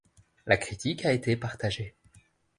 La critique a été partagée.